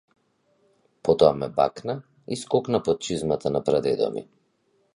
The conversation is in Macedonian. Потоа ме бакна и скокна под чизмата на прадедо ми.